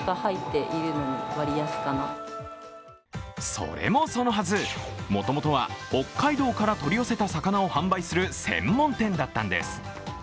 それもそのはず、もともとは北海道から取り寄せた魚を販売する専門店だったんです。